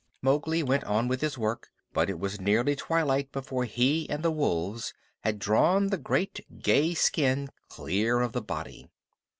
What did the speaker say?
Mowgli went on with his work, but it was nearly twilight before he and the wolves had drawn the great gay skin clear of the body.